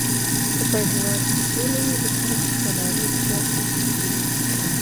که په هېواد کې سوله وي نو خلک په ډاډه زړه ژوند کوي.